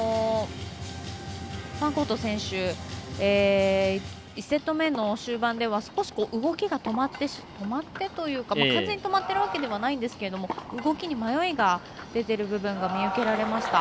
ファンコート選手は１セット目終盤では少し動きが止まってというか完全に止まっているわけではないんですけれども動きに迷いが出ている部分が見受けられました。